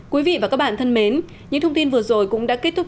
quý vị và các bạn thân mến những thông tin vừa rồi cũng đã kết thúc